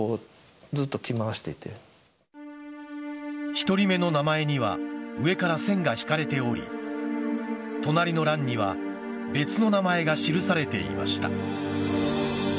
１人目の名前には上から線が引かれており隣の欄には別の名前が記されていました。